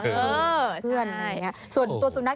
ขี้อ้อนอีกตรงนั้น